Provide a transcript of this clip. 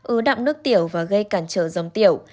ứ động nước tiểu và gây cản trở dòng tiểu